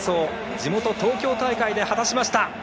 地元、東京大会で果たしました！